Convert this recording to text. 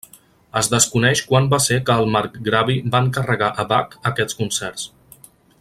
Es desconeix quan va ser que el marcgravi va encarregar a Bach aquests concerts.